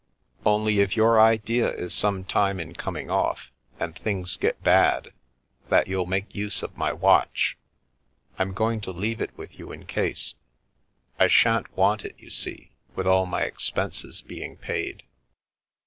" Only, if your idea is some time in coming off, and things get bad, that you'll make use of my watch. I'm going to leave it with you in case. I sha'n't want it, you see, with all my expenses being paid."